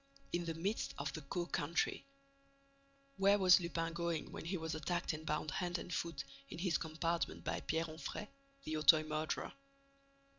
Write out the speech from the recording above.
In the midst of the Caux country. Where was Lupin going when he was attacked and bound hand and foot, in his compartment by Pierre Onfrey, the Auteuil murderer?